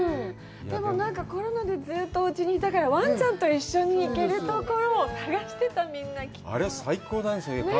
コロナでずっとおうちにいたから、わんちゃんと一緒に行けるところを探してた、みんなきっと。